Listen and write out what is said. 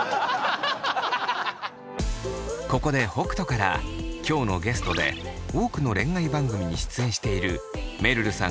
ここで北斗から今日のゲストで多くの恋愛番組に出演しているめるるさん